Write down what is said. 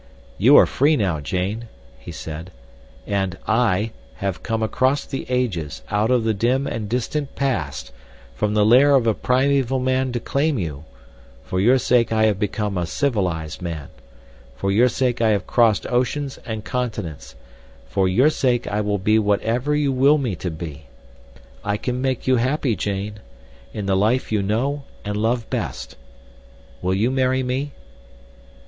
"You are free now, Jane," he said, "and I have come across the ages out of the dim and distant past from the lair of the primeval man to claim you—for your sake I have become a civilized man—for your sake I have crossed oceans and continents—for your sake I will be whatever you will me to be. I can make you happy, Jane, in the life you know and love best. Will you marry me?"